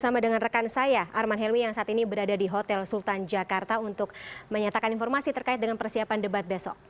bersama dengan rekan saya arman helmi yang saat ini berada di hotel sultan jakarta untuk menyatakan informasi terkait dengan persiapan debat besok